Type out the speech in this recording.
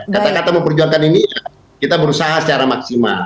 kata kata memperjuangkan ini kita berusaha secara maksimal